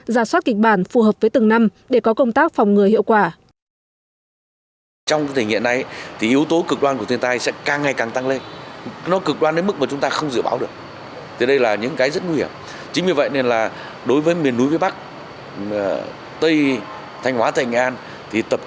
giả soát kịch bản phù hợp với từng năm để có công tác phòng ngừa hiệu quả